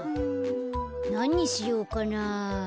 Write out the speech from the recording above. なんにしようかな？